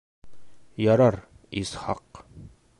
— Ярар, Исхаҡ.